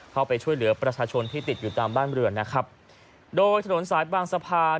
เข้าไปช่วยเหลือประชาชนที่ติดอยู่ตามบ้านเรือนนะครับโดยถนนสายบางสะพาน